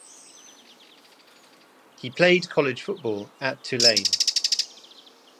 He played college football at Tulane.